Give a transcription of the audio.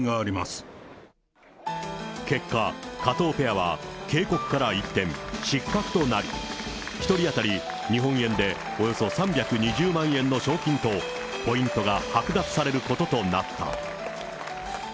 結果、加藤ペアは警告から一転、失格となり、１人当たり日本円でおよそ３２０万円の賞金とポイントが剥奪されることとなった。